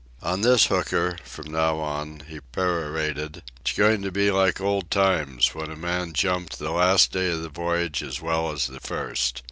"On this hooker, from now on," he perorated, "it's going to be like old times, when a man jumped the last day of the voyage as well as the first.